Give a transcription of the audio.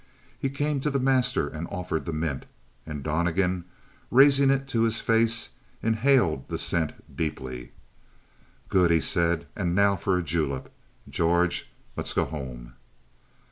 He came to the master and offered the mint; and Donnegan, raising it to his face, inhaled the scent deeply. "Good," he said. "And now for a julep, George! Let's go home!"